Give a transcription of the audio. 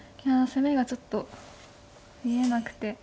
ああ攻めがちょっと見えなくて。